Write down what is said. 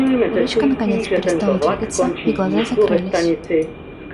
Ручка наконец перестала двигаться, и глаза закрылись.